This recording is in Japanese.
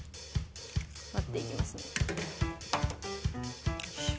割っていきますね。